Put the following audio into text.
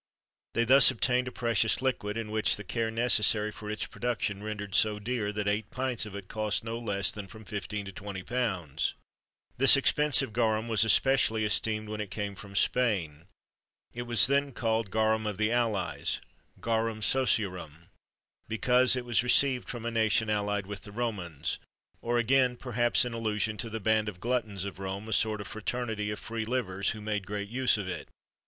They thus obtained a precious liquid, and which the care necessary for its production rendered so dear, that eight pints of it cost no less than from fifteen to twenty pounds.[XXIII 25] This expensive garum was especially esteemed when it came from Spain: it was then called "garum of the allies" garum sociorum because it was received from a nation allied with the Romans;[XXIII 26] or, again, perhaps in allusion to the "band of gluttons," of Rome, a sort of fraternity of free livers, who made great use of it.